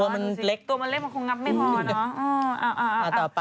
ไม่รู้อะฉันก็ไม่เคยเชื่อ